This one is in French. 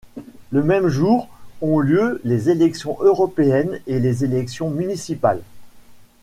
Le même jour ont lieu les élections européennes et les élections municipales.